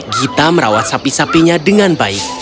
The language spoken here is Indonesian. gita merawat sapi sapinya dengan baik